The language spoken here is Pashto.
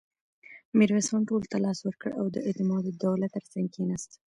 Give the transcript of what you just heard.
ميرويس خان ټولو ته لاس ورکړ او د اعتماد الدوله تر څنګ کېناست.